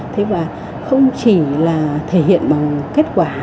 thế và không chỉ là thể hiện bằng kết quả